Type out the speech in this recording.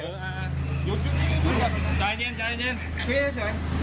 หยุดจายเย็น